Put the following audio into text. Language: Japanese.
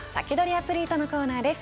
アツリートのコーナーです。